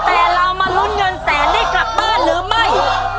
แต่เรามาลุ้นเงินแสนได้กลับบ้านหรือไม่